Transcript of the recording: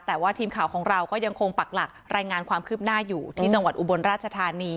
แต่ว่าทีมข่าวของเราก็ยังคงปักหลักรายงานความคืบหน้าอยู่ที่จังหวัดอุบลราชธานี